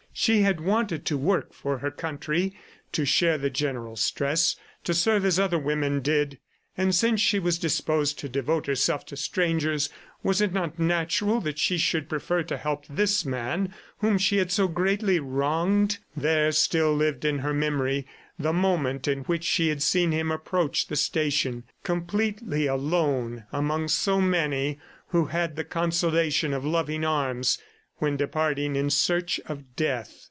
She had wanted to work for her country, to share the general stress, to serve as other women did; and since she was disposed to devote herself to strangers, was it not natural that she should prefer to help this man whom she had so greatly wronged? ... There still lived in her memory the moment in which she had seen him approach the station, completely alone among so many who had the consolation of loving arms when departing in search of death.